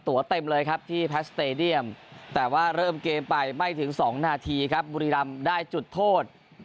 ตัวเต็มเลยครับที่แพสเตดียมแต่ว่าเริ่มเกมไปไม่ถึง๒นาทีครับบุรีรำได้จุดโทษ